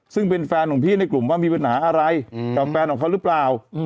ซึ่งเป็นแฟนของพี่ในกลุ่มว่ามีปัญหาอะไรกับแฟนของเขาหรือเปล่า